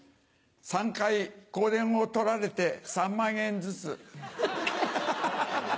３回香典を取られて３万円ずつ。